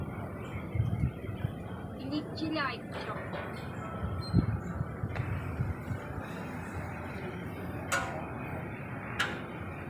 Iḷitchilaitchuq.